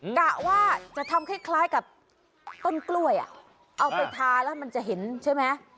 กะว่าจะทำคล้ายกับต้นกล้วยเอาไปทาแล้วมันจะเห็นใช่ไหม